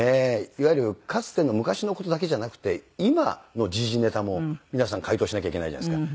いわゆるかつての昔の事だけじゃなくて今の時事ネタも皆さん解答しなきゃいけないじゃないですか。